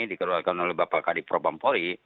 dikerulakan oleh bapak karipropampolri